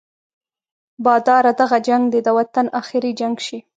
باداره دغه جنګ دې د وطن اخري جنګ شي.